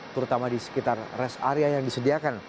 terutama di sekitar rest area yang disediakan